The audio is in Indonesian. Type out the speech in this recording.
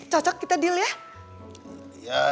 cocok kita deal ya